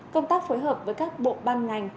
công tác phối hợp với các bộ ban ngành